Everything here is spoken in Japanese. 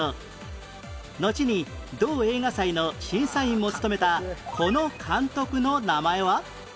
のちに同映画祭の審査員も務めたこの監督の名前は？